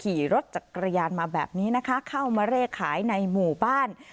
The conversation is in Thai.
ขี่รถจักรยานมาแบบนี้นะคะเข้ามาเลขขายในหมู่บ้าน